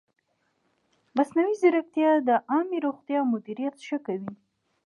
مصنوعي ځیرکتیا د عامې روغتیا مدیریت ښه کوي.